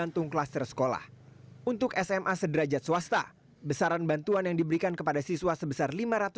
di sekolah untuk sma sederajat swasta besaran bantuan yang diberikan kepada siswa sebesar lima ratus lima puluh